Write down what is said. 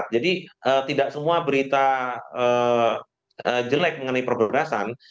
jadi tidak semua berita jelek mengenai perbebasan